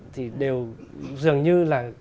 thì đều dường như là